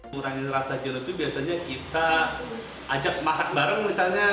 kurangin rasa jeruk itu biasanya kita ajak masak bareng misalnya